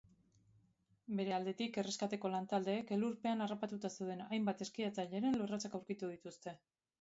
Bere aldetik, erreskateko lantaldeek elurpean harrapatuta dauden zenbait eskiatzaileren lorratsak aurkitu dituzte.